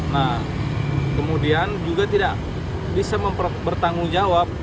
nah kemudian juga tidak bisa bertanggung jawab